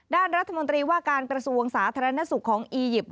ด้านรัฐมนตรีว่าการกระทรวงสาธารณสุขของอียิปต์